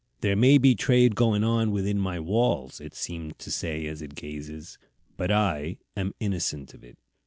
"There may be trade going on within my walls," it seems to say as it gazes, "but I am innocent of it.